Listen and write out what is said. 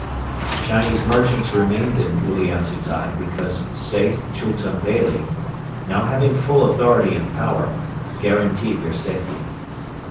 The Chinese merchants remained in Uliassutai because Sait Chultun Beyli, now having full authority and power, guaranteed their safety.